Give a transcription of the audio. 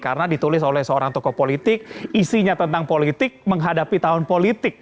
karena ditulis oleh seorang tokoh politik isinya tentang politik menghadapi tahun politik